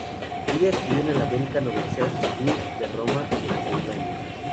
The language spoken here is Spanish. Ella estudió en la American Overseas School de Roma durante un año.